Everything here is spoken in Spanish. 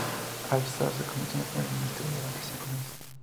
Al-Sadr se convirtió en primer ministro durante cinco meses.